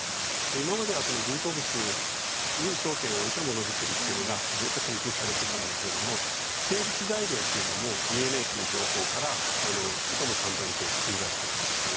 今までは人工物に焦点を置いたもの作りっていうのがずっと研究されてたんだけれども生物材料っていうのもＤＮＡっていう情報からいとも簡単に作り出すことができる。